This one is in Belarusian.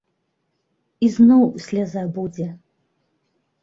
І зноў сляза будзе.